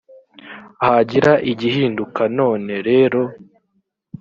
hagira igihinduka none rero